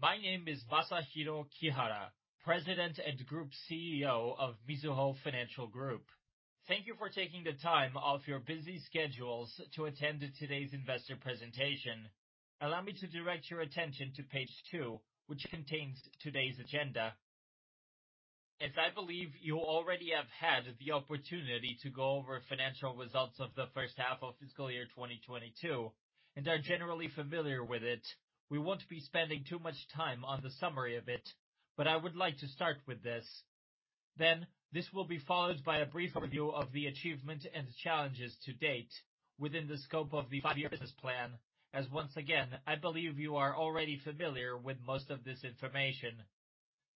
My name is Masahiro Kihara, President and Group CEO of Mizuho Financial Group. Thank you for taking the time off your busy schedules to attend today's investor presentation. Allow me to direct your attention to page two, which contains today's agenda. As I believe you already have had the opportunity to go over financial results of the first half of fiscal year 2022, and are generally familiar with it, we won't be spending too much time on the summary of it, but I would like to start with this. This will be followed by a brief review of the achievement and challenges to date within the scope of the five-year business plan. As once again, I believe you are already familiar with most of this information.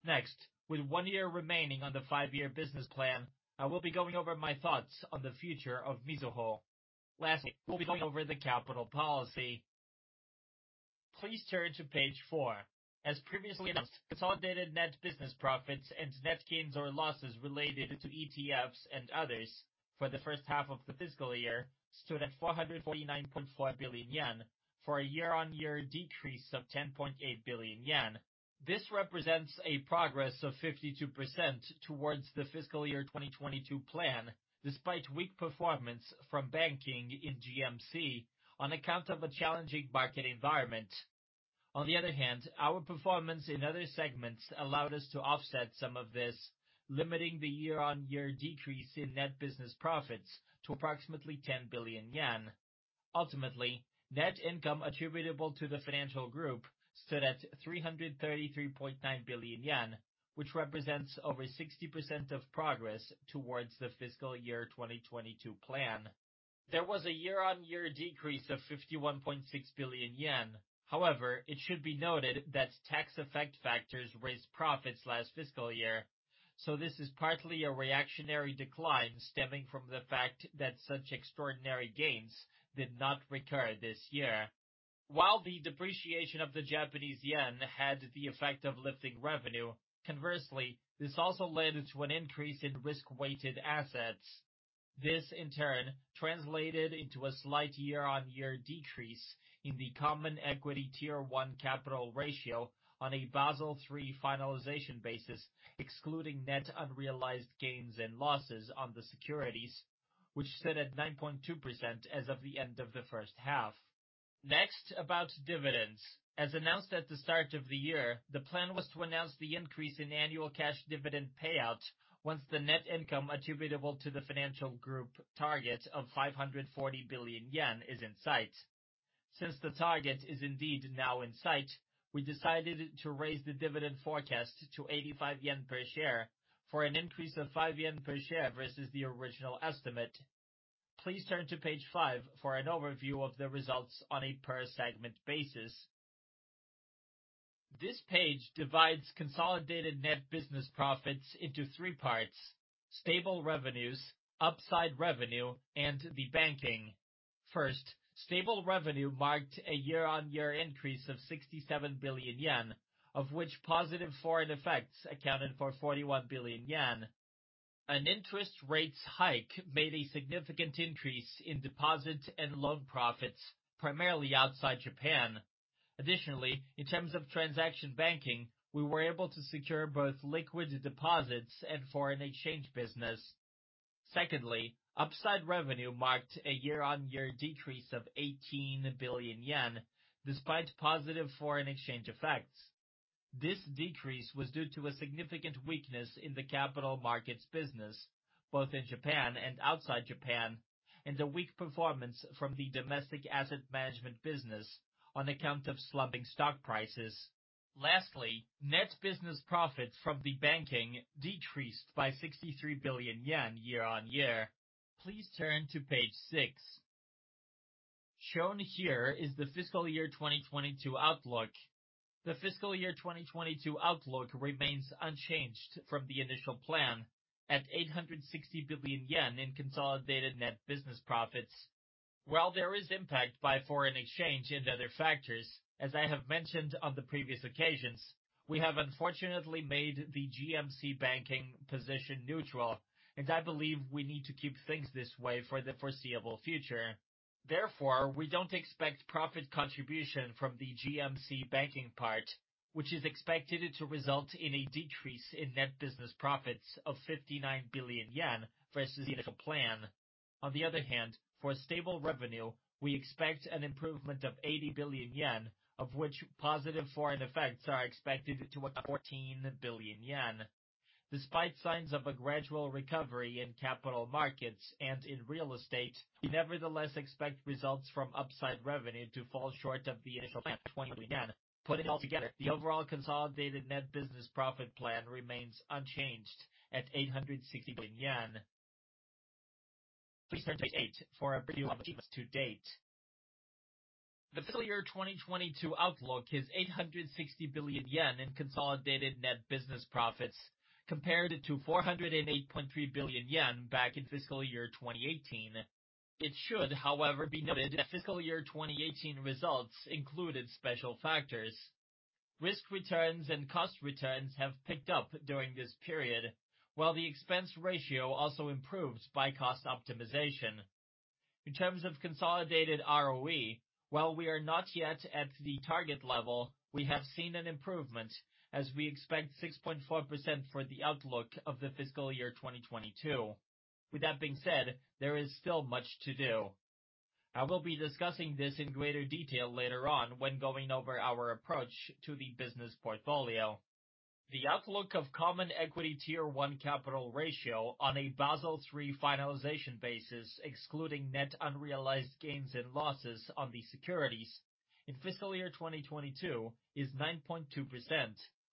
Next, with one year remaining on the five-year business plan, I will be going over my thoughts on the future of Mizuho. Lastly, we'll be going over the capital policy. Please turn to page four. As previously announced, consolidated net business profits and net gains or losses related to ETFs and others for the first half of the fiscal year stood at 449.4 billion yen for a year-on-year decrease of 10.8 billion yen. This represents a progress of 52% towards the fiscal year 2022 plan, despite weak performance from banking in GMC on account of a challenging market environment. On the other hand, our performance in other segments allowed us to offset some of this, limiting the year-on-year decrease in net business profits to approximately 10 billion yen. Ultimately, net income attributable to the financial group stood at 333.9 billion yen, which represents over 60% of progress towards the fiscal year 2022 plan. There was a year-on-year decrease of 51.6 billion yen. However, it should be noted that tax effect factors raised profits last fiscal year, so this is partly a reactionary decline stemming from the fact that such extraordinary gains did not recur this year. While the depreciation of the Japanese yen had the effect of lifting revenue, conversely, this also led to an increase in risk-weighted assets. This, in turn, translated into a slight year-on-year decrease in the Common Equity Tier 1 capital ratio on a Basel III finalization basis, excluding net unrealized gains and losses on the securities, which stood at 9.2% as of the end of the first half. Next, about dividends. As announced at the start of the year, the plan was to announce the increase in annual cash dividend payout once the net income attributable to the Financial Group target of 540 billion yen is in sight. Since the target is indeed now in sight, we decided to raise the dividend forecast to 85 yen per share, for an increase of 5 yen per share versus the original estimate. Please turn to page five for an overview of the results on a per segment basis. This page divides consolidated net business profits into three parts, stable revenues, upside revenue, and the banking. First, stable revenue marked a year-on-year increase of 67 billion yen, of which positive foreign effects accounted for 41 billion yen. An interest rates hike made a significant increase in deposit and loan profits, primarily outside Japan. Additionally, in terms of transaction banking, we were able to secure both liquid deposits and foreign exchange business. Secondly, upside revenue marked a year-on-year decrease of 18 billion yen despite positive foreign exchange effects. This decrease was due to a significant weakness in the capital markets business, both in Japan and outside Japan, and a weak performance from the domestic asset management business on account of slumping stock prices. Lastly, net business profits from the banking decreased by 63 billion yen year-on-year. Please turn to page six. Shown here is the fiscal year 2022 outlook. The fiscal year 2022 outlook remains unchanged from the initial plan at 860 billion yen in consolidated net business profits. While there is impact by foreign exchange and other factors, as I have mentioned on the previous occasions, we have unfortunately made the GMC banking position neutral, and I believe we need to keep things this way for the foreseeable future. Therefore, we don't expect profit contribution from the GMC banking part, which is expected to result in a decrease in net business profits of 59 billion yen versus the initial plan. On the other hand, for stable revenue, we expect an improvement of 80 billion yen, of which positive foreign effects are expected to account 14 billion yen. Despite signs of a gradual recovery in capital markets and in real estate, we nevertheless expect results from upside revenue to fall short of the initial plan of 20 billIon. Putting it all together, the overall consolidated net business profit plan remains unchanged at 860 billion yen. Please turn to page eight for a review of achievements to date. The fiscal year 2022 outlook is 860 billion yen in consolidated net business profits compared to 408.3 billion yen back in fiscal year 2018. It should, however, be noted that fiscal year 2018 results included special factors. Risk returns and cost returns have picked up during this period, while the expense ratio also improves by cost optimization. In terms of consolidated ROE, while we are not yet at the target level, we have seen an improvement, as we expect 6.4% for the outlook of the fiscal year 2022. With that being said, there is still much to do. I will be discussing this in greater detail later on when going over our approach to the business portfolio. The outlook of Common Equity Tier 1 capital ratio on a Basel III finalization basis, excluding net unrealized gains and losses on the securities in fiscal year 2022 is 9.2%,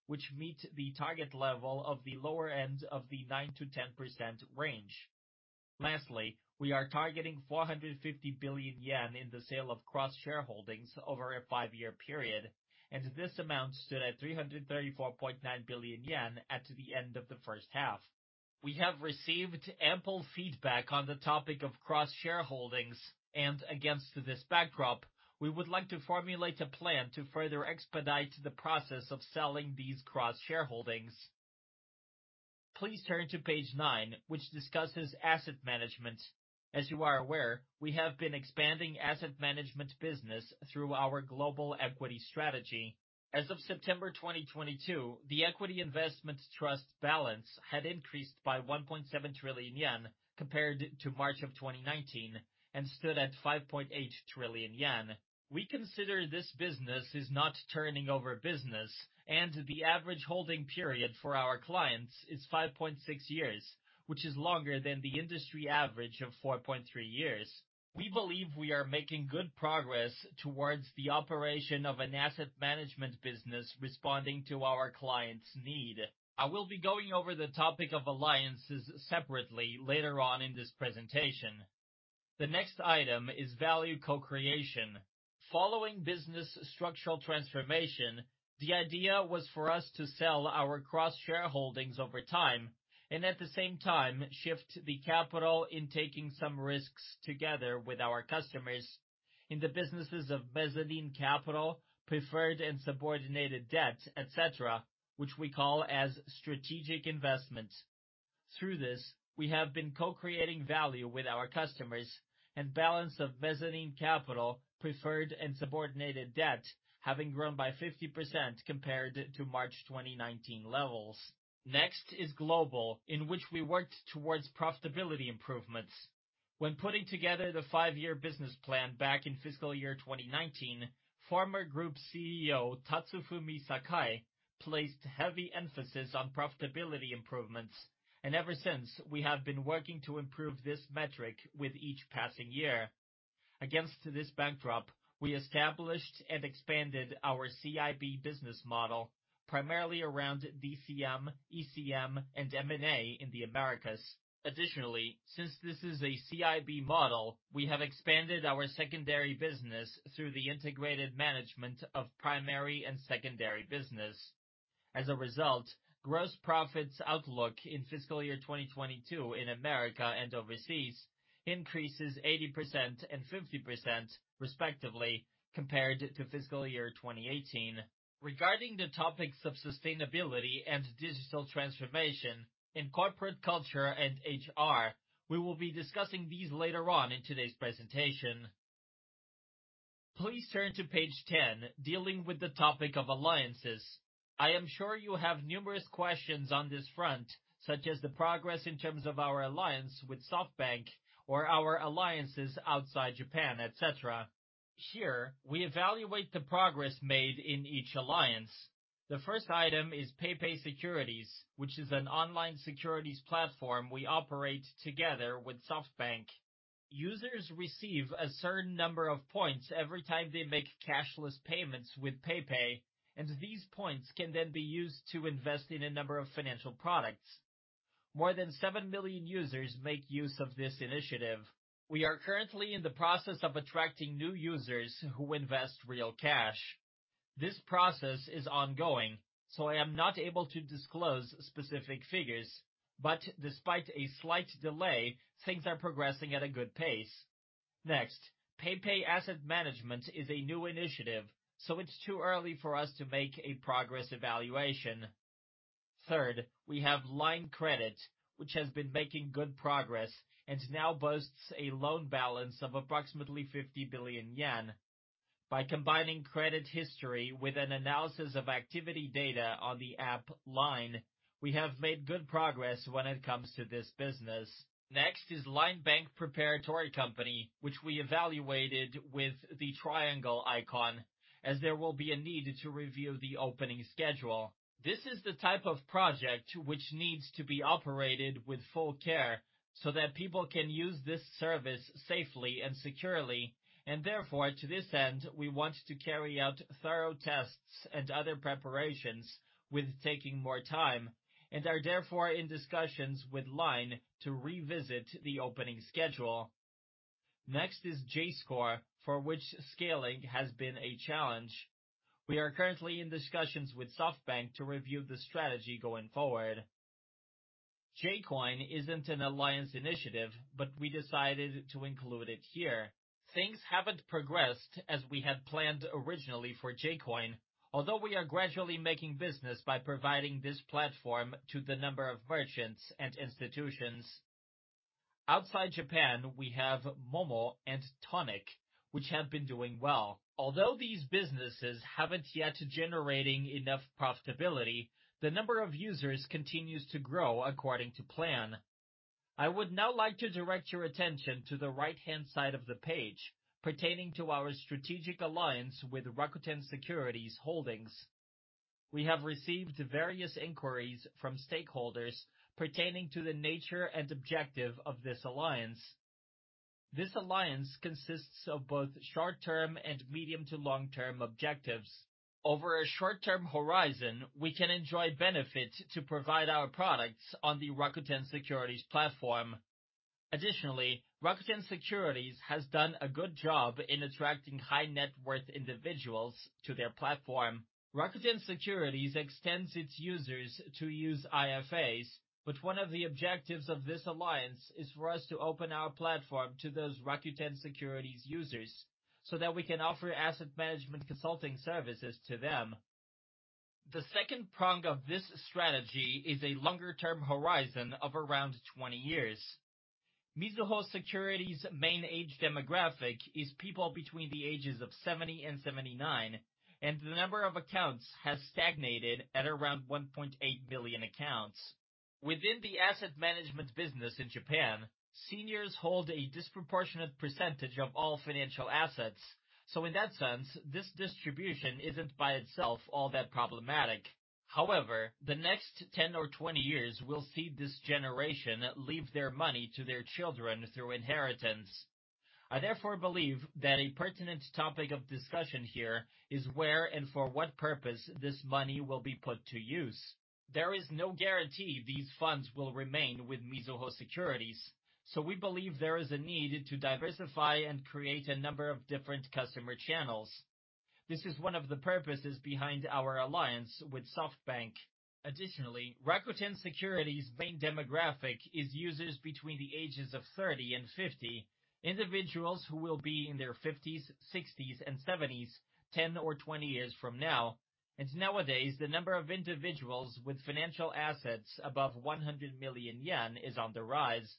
which meet the target level of the lower end of the 9%-10% range. Lastly, we are targeting 450 billion yen in the sale of cross-shareholdings over a five-year period, and this amount stood at 334.9 billion yen at the end of the first half. We have received ample feedback on the topic of cross-shareholdings, and against this backdrop, we would like to formulate a plan to further expedite the process of selling these cross-shareholdings. Please turn to page nine, which discusses asset management. As you are aware, we have been expanding asset management business through our global equity strategy. As of September 2022, the equity investment trust balance had increased by 1.7 trillion yen compared to March of 2019, and stood at 5.8 trillion yen. We consider this business as not turning over business, and the average holding period for our clients is 5.6 years, which is longer than the industry average of 4.3 years. We believe we are making good progress towards the operation of an asset management business responding to our clients' need. I will be going over the topic of alliances separately later on in this presentation. The next item is value co-creation. Following business structural transformation, the idea was for us to sell our cross-shareholdings over time and at the same time, shift the capital in taking some risks together with our customers in the businesses of mezzanine capital, preferred and subordinated debt, et cetera, which we call as strategic investment. Through this, we have been co-creating value with our customers and balance of mezzanine capital, preferred and subordinated debt having grown by 50% compared to March 2019 levels. Next is global, in which we worked towards profitability improvements. When putting together the five-year business plan back in fiscal year 2019, former group CEO Tatsufumi Sakai placed heavy emphasis on profitability improvements. And ever since, we have been working to improve this metric with each passing year. Against this backdrop, we established and expanded our CIB business model, primarily around DCM, ECM and M&A in the Americas. Additionally, since this is a CIB model, we have expanded our secondary business through the integrated management of primary and secondary business. As a result, gross profits outlook in fiscal year 2022 in America and overseas increases 80% and 50% respectively compared to fiscal year 2018. Regarding the topics of sustainability and digital transformation in corporate culture and H.R., we will be discussing these later on in today's presentation. Please turn to page 10, dealing with the topic of alliances. I am sure you have numerous questions on this front, such as the progress in terms of our alliance with SoftBank or our alliances outside Japan, et cetera. Here, we evaluate the progress made in each alliance. The first item is PayPay Securities, which is an online securities platform we operate together with SoftBank. Users receive a certain number of points every time they make cashless payments with PayPay, and these points can then be used to invest in a number of financial products. More than 7 million users make use of this initiative. We are currently in the process of attracting new users who invest real cash. This process is ongoing, so I am not able to disclose specific figures, but despite a slight delay, things are progressing at a good pace. Next, PayPay Asset Management is a new initiative, so it's too early for us to make a progress evaluation. Third, we have LINE Credit, which has been making good progress and now boasts a loan balance of approximately 50 billion yen. By combining credit history with an analysis of activity data on the app LINE, we have made good progress when it comes to this business. Next is LINE Bank Preparatory Company, which we evaluated with the triangle icon, as there will be a need to review the opening schedule. This is the type of project which needs to be operated with full care so that people can use this service safely and securely. Therefore, to this end, we want to carry out thorough tests and other preparations with taking more time and are therefore in discussions with LINE to revisit the opening schedule. Next is J.Score, for which scaling has been a challenge. We are currently in discussions with SoftBank to review the strategy going forward. J-Coin isn't an alliance initiative, but we decided to include it here. Things haven't progressed as we had planned originally for J-Coin, although we are gradually making business by providing this platform to the number of merchants and institutions. Outside Japan, we have MoMo and Tonik, which have been doing well. Although these businesses haven't yet generated enough profitability, the number of users continues to grow according to plan. I would now like to direct your attention to the right-hand side of the page pertaining to our strategic alliance with Rakuten Securities Holdings. We have received various inquiries from stakeholders pertaining to the nature and objective of this alliance. This alliance consists of both short-term and medium to long-term objectives. Over a short-term horizon, we can enjoy benefits to provide our products on the Rakuten Securities platform. Additionally, Rakuten Securities has done a good job in attracting high net worth individuals to their platform. Rakuten Securities extends its users to use IFAs, but one of the objectives of this alliance is for us to open our platform to those Rakuten Securities users so that we can offer asset management consulting services to them. The second prong of this strategy is a longer-term horizon of around 20 years. Mizuho Securities main age demographic is people between the ages of 70 and 79, and the number of accounts has stagnated at around 1.8 million accounts. Within the asset management business in Japan, seniors hold a disproportionate percentage of all financial assets, so in that sense, this distribution isn't by itself all that problematic. However, the next 10 or 20 years will see this generation leave their money to their children through inheritance. I therefore believe that a pertinent topic of discussion here is where and for what purpose this money will be put to use. There is no guarantee these funds will remain with Mizuho Securities, so we believe there is a need to diversify and create a number of different customer channels. This is one of the purposes behind our alliance with SoftBank. Additionally, Rakuten Securities' main demographic is users between the ages of 30 and 50, individuals who will be in their 50s, 60s, and 70s 10 or 20 years from now, and nowadays, the number of individuals with financial assets above 100 million yen is on the rise.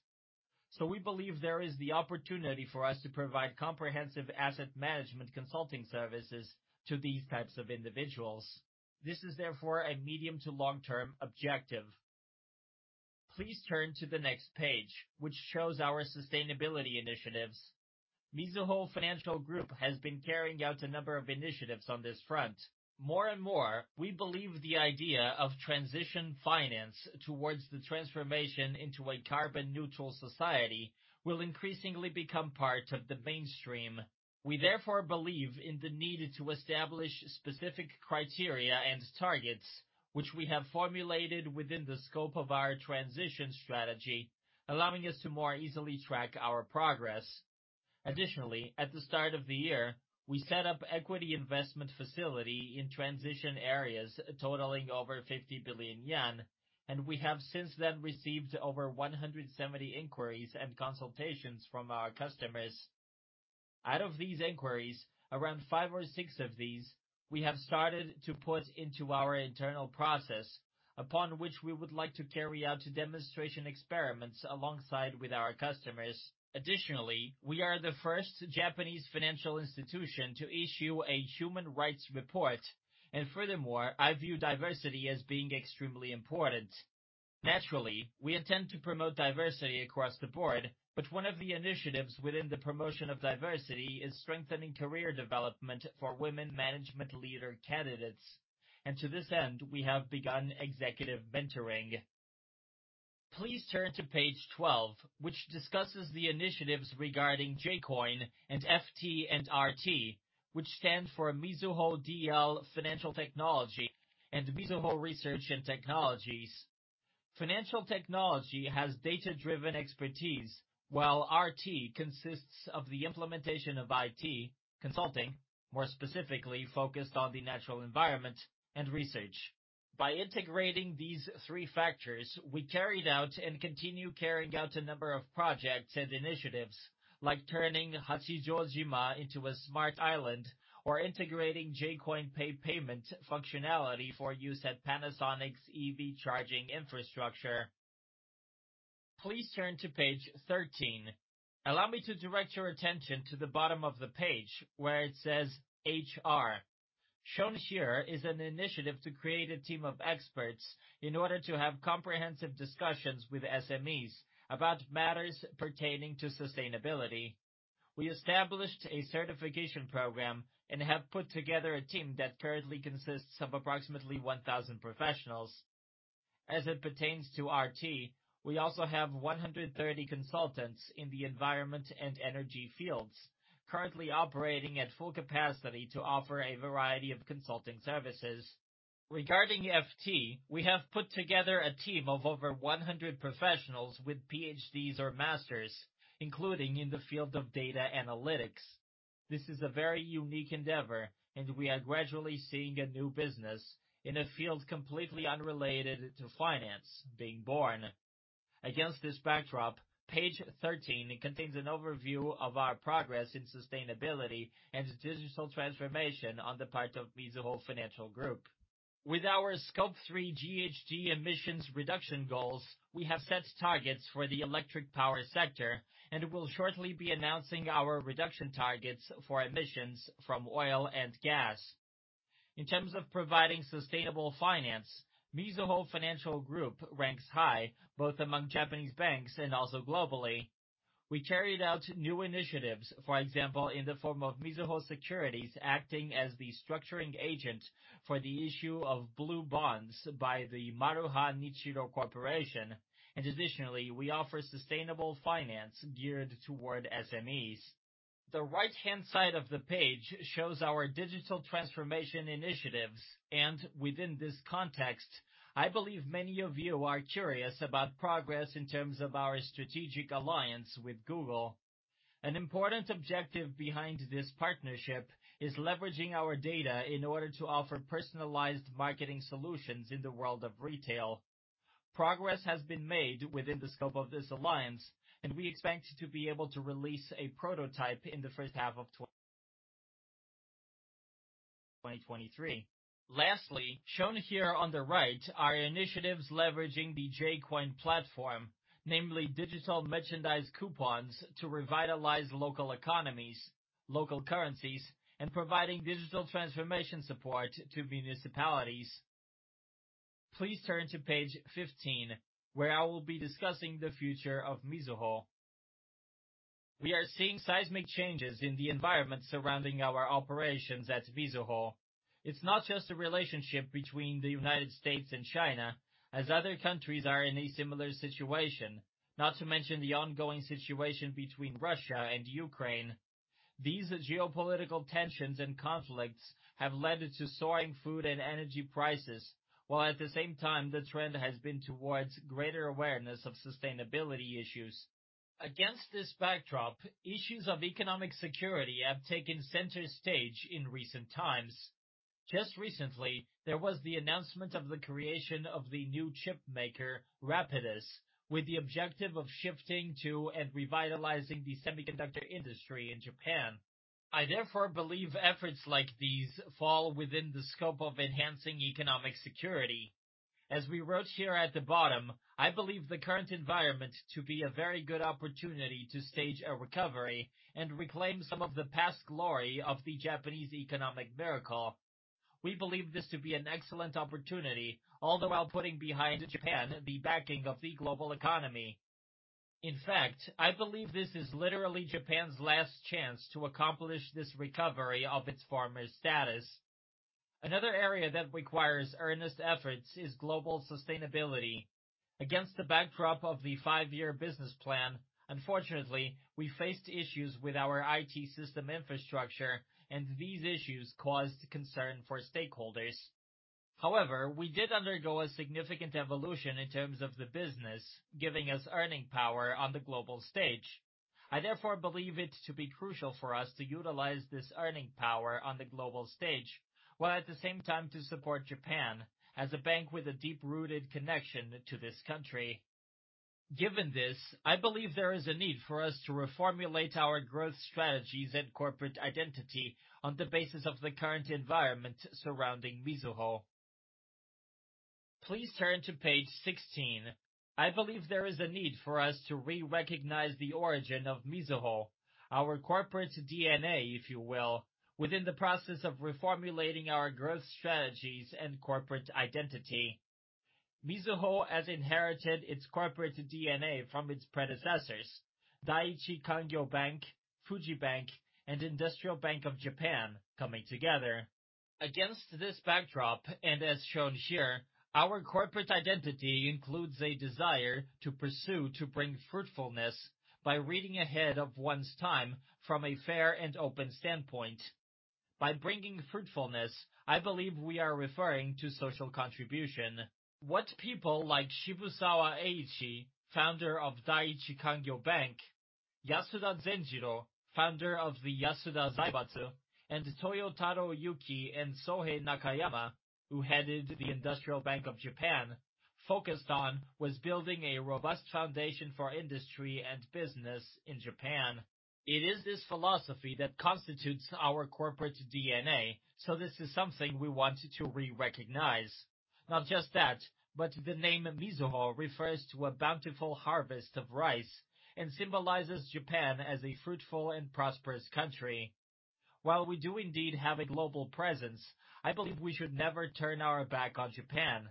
We believe there is the opportunity for us to provide comprehensive asset management consulting services to these types of individuals. This is therefore a medium to long-term objective. Please turn to the next page, which shows our sustainability initiatives. Mizuho Financial Group has been carrying out a number of initiatives on this front. More and more, we believe the idea of transition finance towards the transformation into a carbon neutral society will increasingly become part of the mainstream. We therefore believe in the need to establish specific criteria and targets, which we have formulated within the scope of our transition strategy, allowing us to more easily track our progress. Additionally, at the start of the year, we set up equity investment facility in transition areas totaling over 50 billion yen, and we have since then received over 170 inquiries and consultations from our customers. Out of these inquiries, around five or six of these we have started to put into our internal process, upon which we would like to carry out demonstration experiments alongside with our customers. Additionally, we are the first Japanese financial institution to issue a human rights report. Furthermore, I view diversity as being extremely important. Naturally, we intend to promote diversity across the board, but one of the initiatives within the promotion of diversity is strengthening career development for women management leader candidates. To this end, we have begun executive mentoring. Please turn to page 12, which discusses the initiatives regarding J-Coin and FT and RT, which stand for Mizuho-DL Financial Technology and Mizuho Research & Technologies. Financial technology has data-driven expertise, while RT consists of the implementation of IT consulting, more specifically focused on the natural environment and research. By integrating these three factors, we carried out and continue carrying out a number of projects and initiatives, like turning Hachijojima into a smart island or integrating J-Coin Pay payment functionality for use at Panasonic's EV charging infrastructure. Please turn to page 13. Allow me to direct your attention to the bottom of the page where it says HR. Shown here is an initiative to create a team of experts in order to have comprehensive discussions with SMEs about matters pertaining to sustainability. We established a certification program and have put together a team that currently consists of approximately 1,000 professionals. As it pertains to R.T., we also have 130 consultants in the environment and energy fields currently operating at full capacity to offer a variety of consulting services. Regarding F.T., we have put together a team of over 100 professionals with PhDs or master's, including in the field of data analytics. This is a very unique endeavor, and we are gradually seeing a new business in a field completely unrelated to finance being born. Against this backdrop, page 13 contains an overview of our progress in sustainability and digital transformation on the part of Mizuho Financial Group. With our Scope 3 GHG emissions reduction goals, we have set targets for the electric power sector, and we'll shortly be announcing our reduction targets for emissions from oil and gas. In terms of providing sustainable finance, Mizuho Financial Group ranks high both among Japanese banks and also globally. We carried out new initiatives, for example, in the form of Mizuho Securities acting as the structuring agent for the issue of blue bonds by the Maruha Nichiro Corporation. Additionally, we offer sustainable finance geared toward SMEs. The right-hand side of the page shows our digital transformation initiatives, and within this context, I believe many of you are curious about progress in terms of our strategic alliance with Google. An important objective behind this partnership is leveraging our data in order to offer personalized marketing solutions in the world of retail. Progress has been made within the scope of this alliance, and we expect to be able to release a prototype in the first half of 2023. Lastly, shown here on the right are initiatives leveraging the J-Coin platform, namely digital merchandise coupons to revitalize local economies, local currencies, and providing digital transformation support to municipalities. Please turn to page 15, where I will be discussing the future of Mizuho. We are seeing seismic changes in the environment surrounding our operations at Mizuho. It's not just a relationship between the United States and China, as other countries are in a similar situation, not to mention the ongoing situation between Russia and Ukraine. These geopolitical tensions and conflicts have led to soaring food and energy prices, while at the same time, the trend has been towards greater awareness of sustainability issues. Against this backdrop, issues of economic security have taken center stage in recent times. Just recently, there was the announcement of the creation of the new chip maker, Rapidus, with the objective of shifting to and revitalizing the semiconductor industry in Japan. I therefore believe efforts like these fall within the scope of enhancing economic security. As we wrote here at the bottom, I believe the current environment to be a very good opportunity to stage a recovery and reclaim some of the past glory of the Japanese economic miracle. We believe this to be an excellent opportunity, all the while putting behind Japan the backing of the global economy. In fact, I believe this is literally Japan's last chance to accomplish this recovery of its former status. Another area that requires earnest efforts is global sustainability. Against the backdrop of the five year business plan, unfortunately, we faced issues with our IT system infrastructure, and these issues caused concern for stakeholders. However, we did undergo a significant evolution in terms of the business, giving us earning power on the global stage. I therefore believe it to be crucial for us to utilize this earning power on the global stage, while at the same time to support Japan as a bank with a deep-rooted connection to this country. Given this, I believe there is a need for us to reformulate our growth strategies and corporate identity on the basis of the current environment surrounding Mizuho. Please turn to page 16. I believe there is a need for us to re-recognize the origin of Mizuho, our corporate DNA, if you will, within the process of reformulating our growth strategies and corporate identity. Mizuho has inherited its corporate DNA from its predecessors, Dai-Ichi Kangyo Bank, Fuji Bank, and Industrial Bank of Japan coming together. Against this backdrop, and as shown here, our corporate identity includes a desire to pursue to bring fruitfulness by reading ahead of one's time from a fair and open standpoint. By bringing fruitfulness, I believe we are referring to social contribution. What people like Shibusawa Eiichi, Founder of Dai-Ichi Kangyo Bank, Yasuda Zenjiro, Founder of the Yasuda Zaibatsu, and Toyotaro Yuki and Sohei Nakayama, who headed the Industrial Bank of Japan, focused on was building a robust foundation for industry and business in Japan. It is this philosophy that constitutes our corporate DNA, so this is something we want to re-recognize. Not just that, but the name Mizuho refers to a bountiful harvest of rice and symbolizes Japan as a fruitful and prosperous country. While we do indeed have a global presence, I believe we should never turn our back on Japan.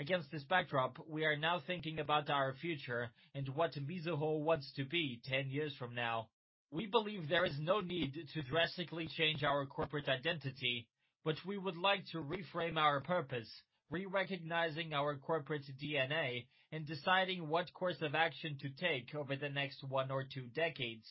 Against this backdrop, we are now thinking about our future and what Mizuho wants to be 10 years from now. We believe there is no need to drastically change our corporate identity, but we would like to reframe our purpose, re-recognizing our corporate DNA and deciding what course of action to take over the next one or two decades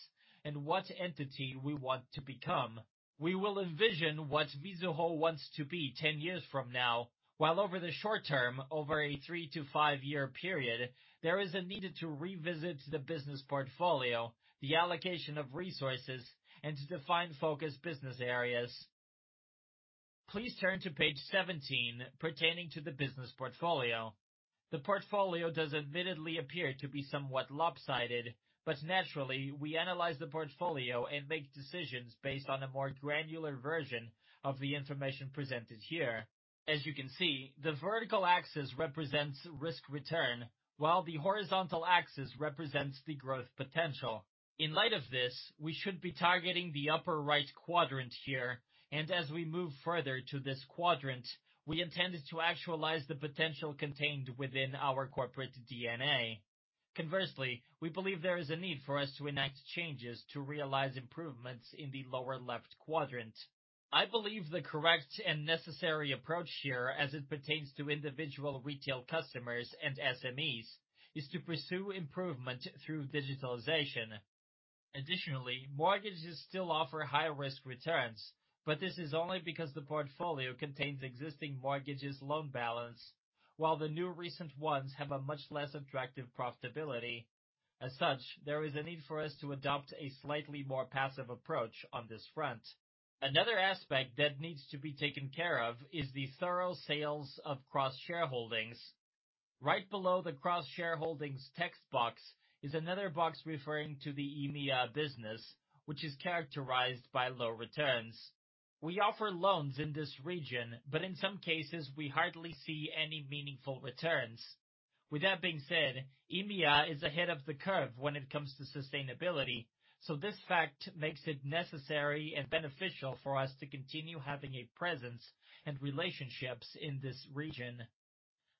and what entity we want to become. We will envision what Mizuho wants to be 10 years from now, while over the short term, over a three-five-year period, there is a need to revisit the business portfolio, the allocation of resources, and to define focused business areas. Please turn to page 17 pertaining to the business portfolio. The portfolio does admittedly appear to be somewhat lopsided, but naturally, we analyze the portfolio and make decisions based on a more granular version of the information presented here. As you can see, the vertical axis represents risk-return, while the horizontal axis represents the growth potential. In light of this, we should be targeting the upper right quadrant here, and as we move further to this quadrant, we intended to actualize the potential contained within our corporate DNA. Conversely, we believe there is a need for us to enact changes to realize improvements in the lower left quadrant. I believe the correct and necessary approach here as it pertains to individual retail customers and SMEs is to pursue improvement through digitalization. Additionally, mortgages still offer high-risk returns, but this is only because the portfolio contains existing mortgage loan balance, while the new recent ones have a much less attractive profitability. As such, there is a need for us to adopt a slightly more passive approach on this front. Another aspect that needs to be taken care of is the thorough sales of cross-shareholdings. Right below the cross-shareholdings text box is another box referring to the EMEA business, which is characterized by low returns. We offer loans in this region, but in some cases, we hardly see any meaningful returns. With that being said, EMEA is ahead of the curve when it comes to sustainability, so this fact makes it necessary and beneficial for us to continue having a presence and relationships in this region.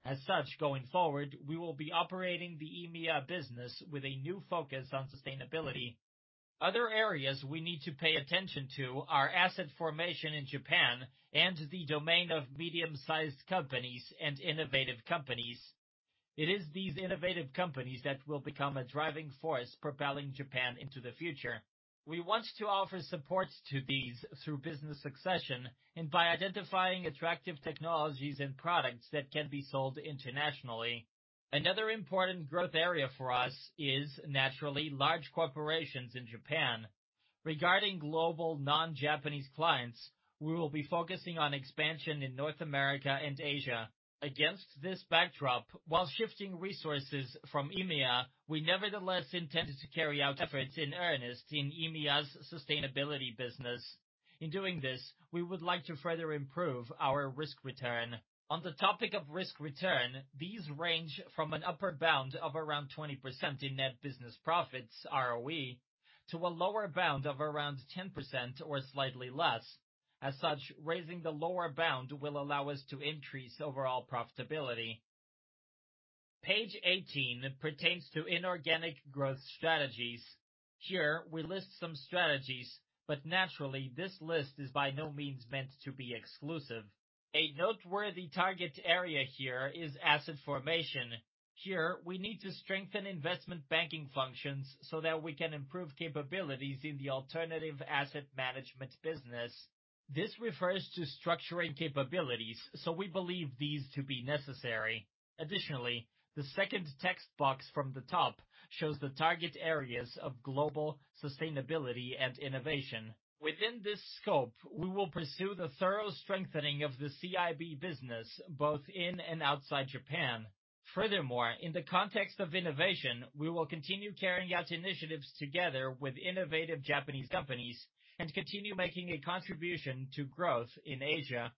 As such, going forward, we will be operating the EMEA business with a new focus on sustainability. Other areas we need to pay attention to are asset formation in Japan and the domain of medium-sized companies and innovative companies. It is these innovative companies that will become a driving force propelling Japan into the future. We want to offer support to these through business succession and by identifying attractive technologies and products that can be sold internationally. Another important growth area for us is naturally large corporations in Japan. Regarding global non-Japanese clients, we will be focusing on expansion in North America and Asia. Against this backdrop, while shifting resources from EMEA, we nevertheless intend to carry out efforts in earnest in EMEA's sustainability business. In doing this, we would like to further improve our risk return. On the topic of risk return, these range from an upper bound of around 20% in net business profits ROE, to a lower bound of around 10% or slightly less. As such, raising the lower bound will allow us to increase overall profitability. Page 18 pertains to inorganic growth strategies. Here, we list some strategies, but naturally, this list is by no means meant to be exclusive. A noteworthy target area here is asset formation. Here, we need to strengthen investment banking functions so that we can improve capabilities in the alternative asset management business. This refers to structuring capabilities, so we believe these to be necessary. Additionally, the second text box from the top shows the target areas of global sustainability and innovation. Within this scope, we will pursue the thorough strengthening of the CIB business, both in and outside Japan. Furthermore, in the context of innovation, we will continue carrying out initiatives together with innovative Japanese companies and continue making a contribution to growth in Asia.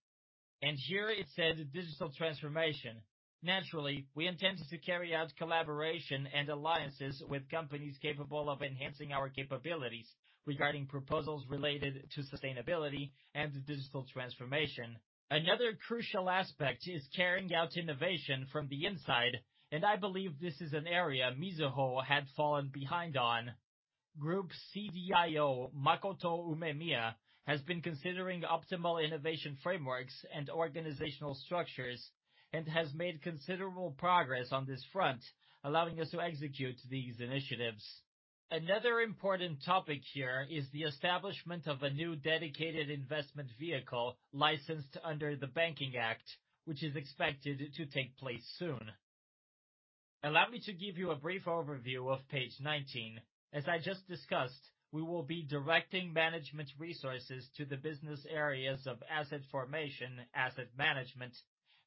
Here it says digital transformation. Naturally, we intend to carry out collaboration and alliances with companies capable of enhancing our capabilities regarding proposals related to sustainability and digital transformation. Another crucial aspect is carrying out innovation from the inside, and I believe this is an area Mizuho had fallen behind on. Group CDIO.... Has been considering optimal innovation frameworks and organisational structures and has made consideral progress on this front allowing us to execute this initiatives. Another important topic here is the establishment of a new dedicated investment vehicle licenced under the banking act which is expected to take place soon. Allow me to give you a brief overview of page 19. As I just dis.ussed, we will be directing management resources to the business areas of asset formation, asset management,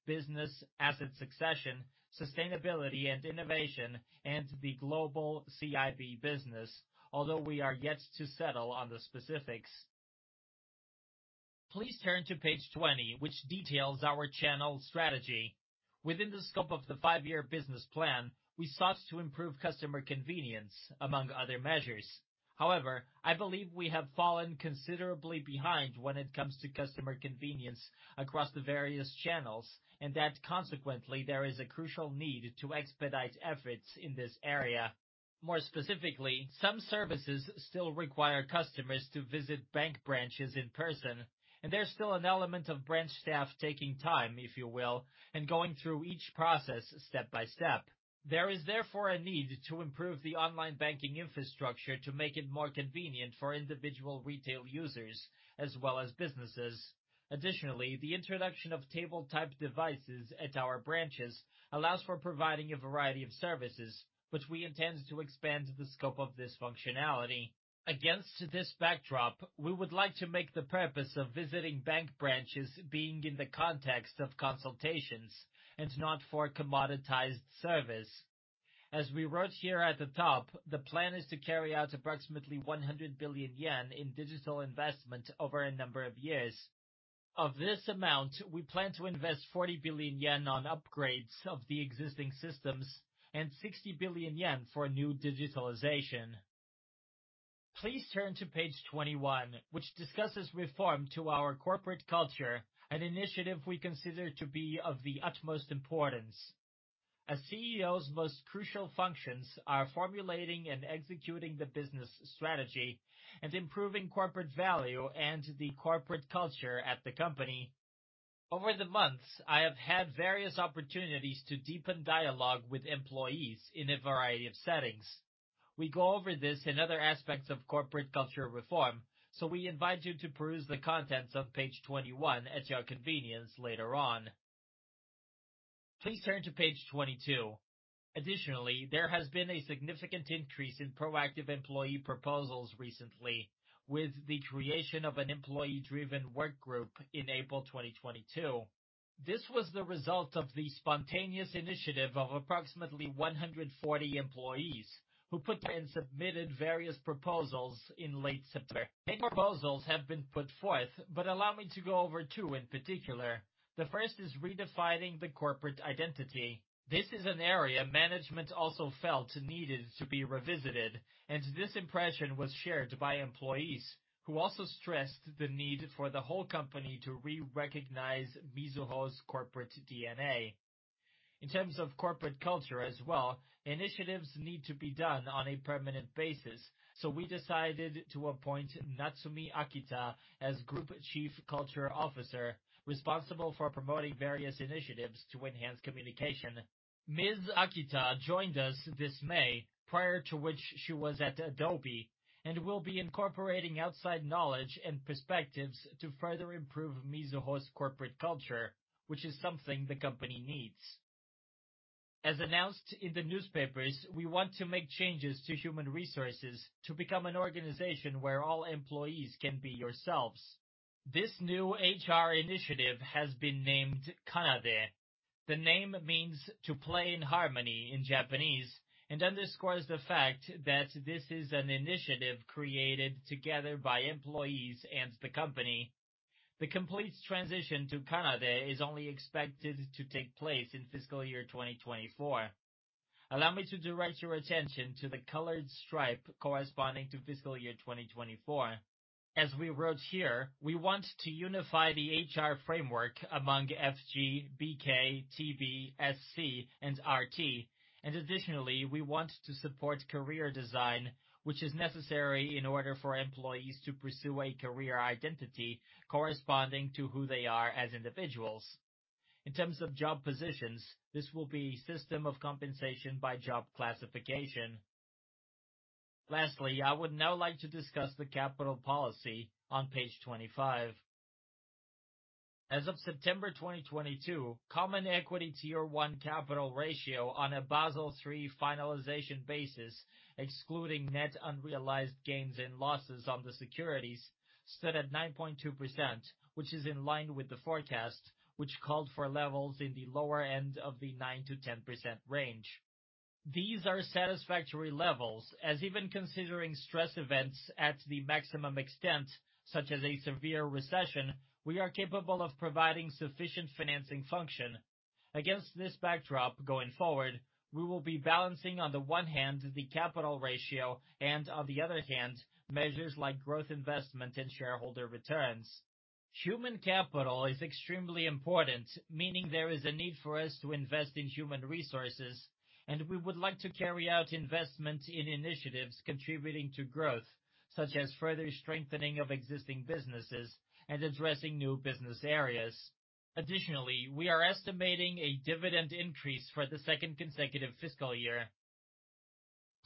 business asset succession, sustainability and innovation, and the global CIB business. Although we are yet to settle on the specifics. Please turn to page 20 which details our channel strategy. Within this scope of the five-year business plan we sought to improve customer convenience among other measures. However, I believe we have fallen considerably behind when it comes to customer convenience across the various channels, and that consequently, there is a crucial need to expedite efforts in this area. More specifically, some services still require customers to visit bank branches in person, and there's still an element of branch staff taking time, if you will, and going through each process step by step. There is therefore a need to improve the online banking infrastructure to make it more convenient for individual retail users as well as businesses. Additionally, the introduction of tablet-type devices at our branches allows for providing a variety of services, which we intend to expand the scope of this functionality. Against this backdrop, we would like to make the purpose of visiting bank branches being in the context of consultations and not for commoditized service. As we wrote here at the top, the plan is to carry out approximately 100 billion yen in digital investment over a number of years. Of this amount, we plan to invest 40 billion yen on upgrades of the existing systems and 60 billion yen for new digitalization. Please turn to page 21, which discusses reform to our corporate culture, an initiative we consider to be of the utmost importance. A CEO's most crucial functions are formulating and executing the business strategy and improving corporate value and the corporate culture at the company. Over the months, I have had various opportunities to deepen dialogue with employees in a variety of settings. We go over this in other aspects of corporate culture reform, so we invite you to peruse the contents of page 21 at your convenience later on. Please turn to page 22. Additionally, there has been a significant increase in proactive employee proposals recently with the creation of an employee-driven work group in April 2022. This was the result of the spontaneous initiative of approximately 140 employees who submitted various proposals in late September. Many proposals have been put forth, but allow me to go over two in particular. The first is redefining the corporate identity. This is an area management also felt needed to be revisited, and this impression was shared by employees, who also stressed the need for the whole company to re-recognize Mizuho's corporate DNA. In terms of corporate culture as well, initiatives need to be done on a permanent basis. We decided to appoint Natsumi Akita as Group Chief Culture Officer, responsible for promoting various initiatives to enhance communication. Ms. Akita joined us this May, prior to which she was at Adobe, and will be incorporating outside knowledge and perspectives to further improve Mizuho's corporate culture, which is something the company needs. As announced in the newspapers, we want to make changes to human resources to become an organization where all employees can be yourselves. This new HR initiative has been named CANADE. The name means to play in harmony in Japanese and underscores the fact that this is an initiative created together by employees and the company. The complete transition to CANADE is only expected to take place in fiscal year 2024. Allow me to direct your attention to the colored stripe corresponding to fiscal year 2024. As we wrote here, we want to unify the H.R. framework among F.G., B.K., T.B., S.C., and R.T. Additionally, we want to support career design, which is necessary in order for employees to pursue a career identity corresponding to who they are as individuals. In terms of job positions, this will be system of compensation by job classification. Lastly, I would now like to discuss the capital policy on page 25. As of September 2022, Common Equity Tier 1 capital ratio on a Basel III finalization basis, excluding net unrealized gains and losses on the securities, stood at 9.2%, which is in line with the forecast, which called for levels in the lower end of the 9%-10% range. These are satisfactory levels as even considering stress events at the maximum extent, such as a severe recession, we are capable of providing sufficient financing function. Against this backdrop going forward, we will be balancing, on the one hand, the capital ratio and on the other hand, measures like growth investment and shareholder returns. Human capital is extremely important, meaning there is a need for us to invest in human resources, and we would like to carry out investment in initiatives contributing to growth, such as further strengthening of existing businesses and addressing new business areas. Additionally, we are estimating a dividend increase for the second consecutive fiscal year.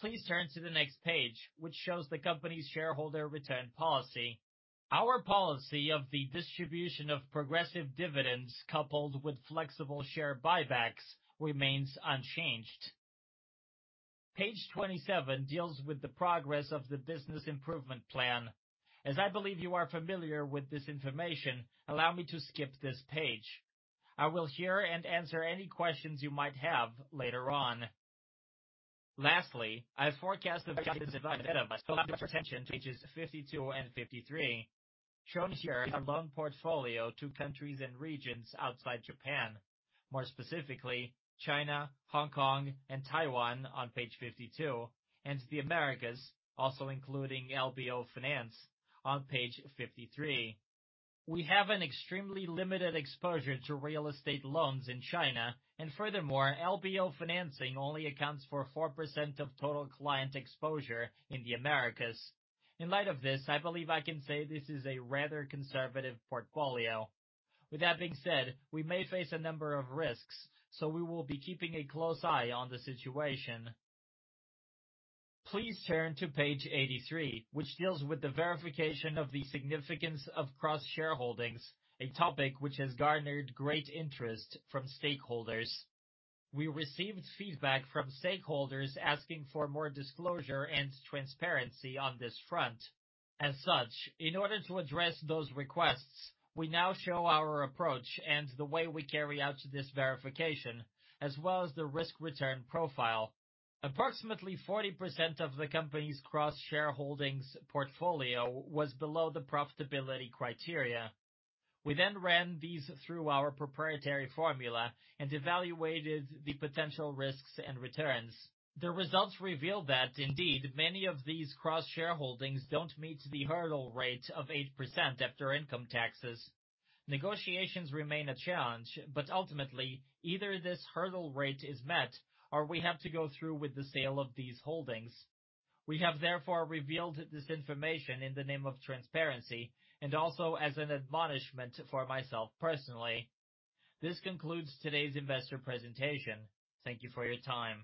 Please turn to the next page, which shows the company's shareholder return policy. Our policy of the distribution of progressive dividends coupled with flexible share buybacks remains unchanged. Page 27 deals with the progress of the business improvement plan. As I believe you are familiar with this information, allow me to skip this page. I will hear and answer any questions you might have later on. Lastly, I direct attention to pages 52 and 53. Shown here is our loan portfolio to countries and regions outside Japan. More specifically, China, Hong Kong and Taiwan on page 52, and the Americas, also including LBO finance on page 53. We have an extremely limited exposure to real estate loans in China, and furthermore, LBO financing only accounts for 4% of total client exposure in the Americas. In light of this, I believe I can say this is a rather conservative portfolio. With that being said, we may face a number of risks, so we will be keeping a close eye on the situation. Please turn to page 83, which deals with the verification of the significance of cross-shareholdings, a topic which has garnered great interest from stakeholders. We received feedback from stakeholders asking for more disclosure and transparency on this front. As such, in order to address those requests, we now show our approach and the way we carry out this verification, as well as the risk-return profile. Approximately 40% of the company's cross-shareholdings portfolio was below the profitability criteria. We then ran these through our proprietary formula and evaluated the potential risks and returns. The results revealed that indeed many of these cross-shareholdings don't meet the hurdle rate of 8% after income taxes. Negotiations remain a challenge, but ultimately either this hurdle rate is met or we have to go through with the sale of these holdings. We have therefore revealed this information in the name of transparency and also as an admonishment for myself personally. This concludes today's investor presentation. Thank you for your time.